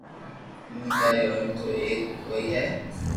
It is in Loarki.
ايموندار ھوئي تو ايم ڪوئي ڪري